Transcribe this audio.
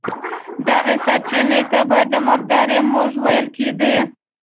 دغې سرچينې ته به د مردارۍ موږی ويل کېدی.